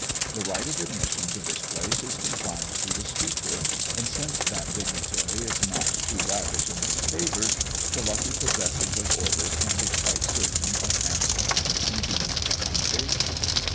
The right of admission to this place is confined to the Speaker; and since that dignitary is not too lavish in his favours, the lucky possessors of orders can be quite certain of ample and convenient accommodation.